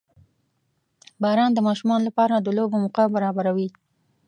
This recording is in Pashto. • باران د ماشومانو لپاره د لوبو موقع برابروي.